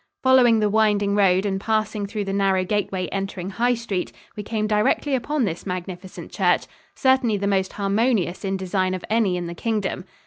Following the winding road and passing through the narrow gateway entering High Street, we came directly upon this magnificent church, certainly the most harmonious in design of any in the Kingdom.